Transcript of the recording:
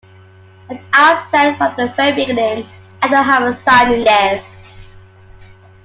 And I've said from the very beginning, I don't have a side in this.